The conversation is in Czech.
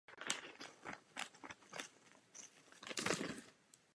Důležitým přispěvatelem vesmírné opery se stala také anime.